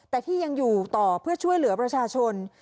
แต่ที่ยังอยู่ต่อเพื่อช่วยเหลือประชาชน